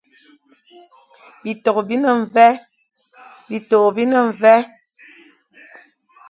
Bitô bi ne mvè,